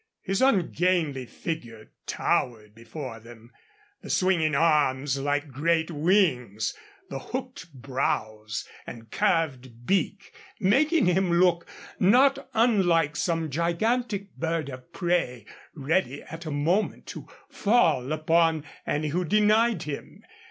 His ungainly figure towered before them the swinging arms like great wings, the hooked brows and curved beak making him look not unlike some gigantic bird of prey ready at a moment to fall upon any who denied him.